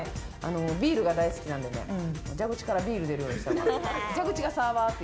ビールが大好きなんで、蛇口からビール出るようにしたい。